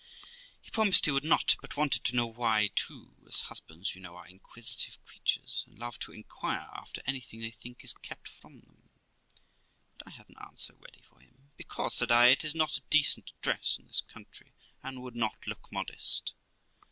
He promised he would not, but wanted to know why too; as husbands, you know, are inquisitive creatures, and love to inquire after anything they think is kept from them; but I had an answer ready for him. 'Because', said I, 'it is not a decent dress in this country, and would not look modest.'